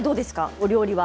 お料理は。